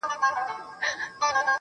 لكه ملا.